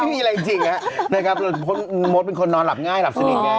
ไม่มีอะไรจริงนะครับเพราะมดเป็นคนนอนหลับง่ายหลับสนิทไง